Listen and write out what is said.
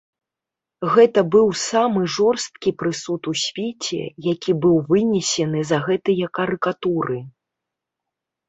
Гэта быў самы жорсткі прысуд у свеце, які быў вынесены за гэтыя карыкатуры.